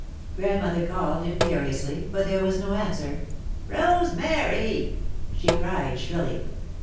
Grandmother called imperiously, but there was no answer. "Rosemary!" she cried, shrilly.